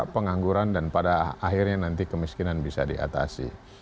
pengangguran dan pada akhirnya nanti kemiskinan bisa diatasi